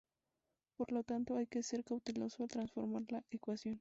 Por lo tanto, hay que ser cauteloso al transformar la ecuación.